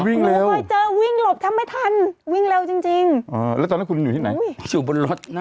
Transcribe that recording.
วิ่งเร็วจริงจริงอ๋อแล้วตอนนั้นคุณอยู่ที่ไหนอุ้ยอยู่บนรถนั่ง